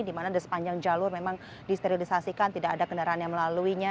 di mana di sepanjang jalur memang disterilisasikan tidak ada kendaraan yang melaluinya